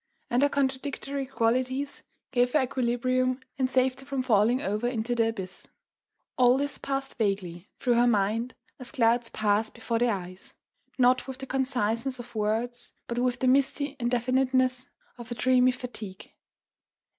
And her contradictory qualities gave her equilibrium and saved her from falling over into the abyss.... All this passed vaguely through her mind as clouds pass before the eyes, not with the conciseness of words but with the misty indefiniteness of a dreamy fatigue.